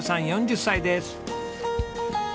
４０歳です。